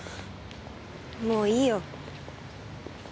もういいよ。